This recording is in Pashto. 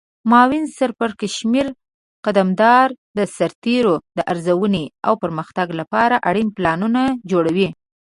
معاون سرپرکمشر قدمدار د سرتیرو د ارزونې او پرمختګ لپاره اړین پلانونه جوړوي.